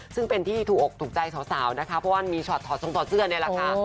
ซึ่งเป็นที่ถูกอกถูกใจสาวนะคะเพราะว่ามีช็อตถอดทรงถอดเสื้อนี่แหละค่ะ